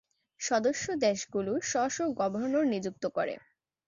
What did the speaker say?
সদস্য দেশগুলো স্ব-স্ব গভর্নর নিযুক্ত করে।